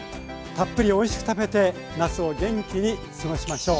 たっぷりおいしく食べて夏を元気に過ごしましょう。